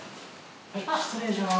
失礼します。